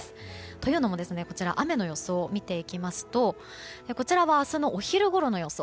というのも雨の予想を見ていきますとこちらは明日のお昼ごろの予想。